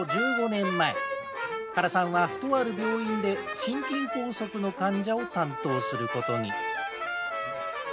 １５年前、原さんはとある病院で心筋梗塞の患者を担当することに。